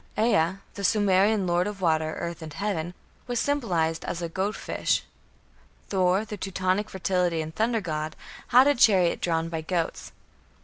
Ea, the Sumerian lord of water, earth, and heaven, was symbolized as a "goat fish". Thor, the Teutonic fertility and thunder god, had a chariot drawn by goats.